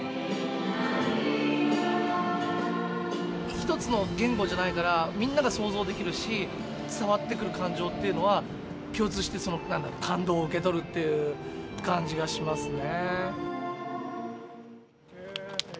一つの言語じゃないからみんなが想像できるし伝わってくる感情っていうのは共通して感動を受け取るっていう感じがしますね。